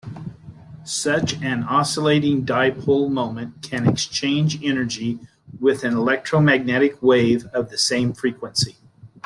Such an oscillating dipole moment can exchange energy with an electromagnetic wave of same frequency.